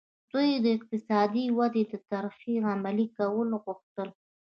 دوی د اقتصادي ودې د طرحې عملي کول غوښتل.